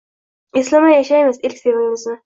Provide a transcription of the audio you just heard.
Eslamay yashaymiz ilk sevgimizni